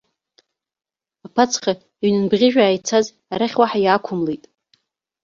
Аԥацха иныҩнбӷьыжәаа ицаз арахь уаҳа иаақәымлеит.